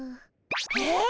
えっ？